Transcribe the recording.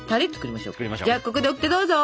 じゃあここでオキテどうぞ！